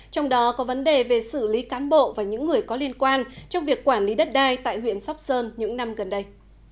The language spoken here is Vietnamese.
trong đó có vấn đề về xử lý cán bộ và những người có liên quan trong việc quản lý đất đai tại huyện sóc sơn những năm gần đây